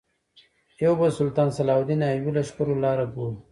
یو به د سلطان صلاح الدین ایوبي لښکرو لاره ګورو.